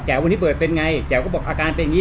วันนี้เปิดเป็นไงแจ๋วก็บอกอาการเป็นอย่างนี้